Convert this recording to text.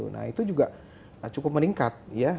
nah itu juga cukup meningkat ya